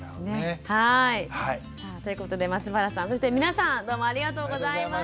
さあということで松原さんそして皆さんどうもありがとうございました。